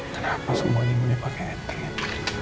kenapa semua ini dipakai etik